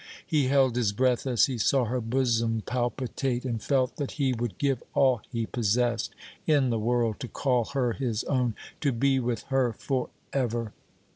He held his breath as he saw her bosom palpitate and felt that he would give all he possessed in the world to call her his own, to be with her forever.